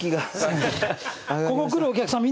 ここ来るお客さん